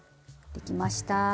できました！